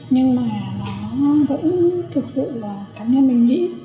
nhưng mà nó vẫn thực sự là cá nhân mình nghĩ